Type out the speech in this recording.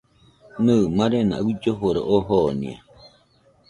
Nɨ, marena uilloforo oo jonia